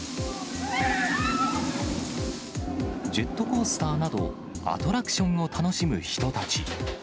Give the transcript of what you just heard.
ジェットコースターなどアトラクションを楽しむ人たち。